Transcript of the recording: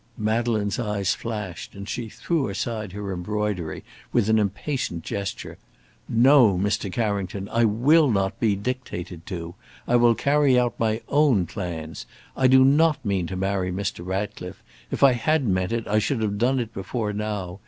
Madeleine's eyes flashed, and she threw aside her embroidery with an impatient gesture: "No! Mr. Carrington! I will not be dictated to! I will carry out my own plans! I do not mean to marry Mr. Ratcliffe. If I had meant it, I should have done it before now.